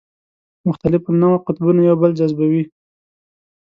مختلف النوع قطبونه یو بل جذبوي.